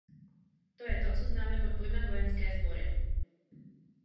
To je to, co známe pod pojmem vojenské sbory.